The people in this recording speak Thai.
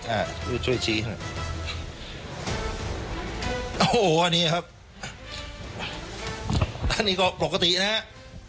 อ่าช่วยชี้หน่อยโอ้โหอันนี้ครับอันนี้ก็ปกตินะครับ